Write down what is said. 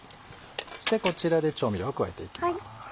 そしてこちらで調味料を加えていきます。